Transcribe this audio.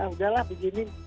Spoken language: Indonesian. ah udahlah begini